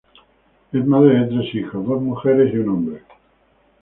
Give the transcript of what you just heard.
Es madre de tres hijos, dos mujeres y un hombre.